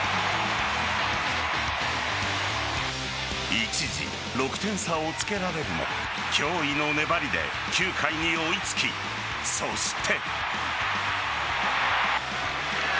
一時、６点差をつけられるも驚異の粘りで９回に追いつきそして。